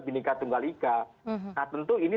binika tunggal ika nah tentu ini